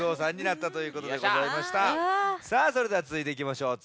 さあそれではつづいていきましょう。